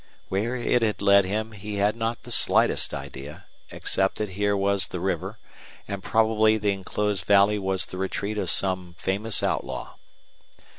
Where it had led him he had not the slightest idea, except that here was the river, and probably the inclosed valley was the retreat of some famous outlaw.